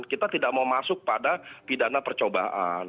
kita tidak mau masuk pada pidana percobaan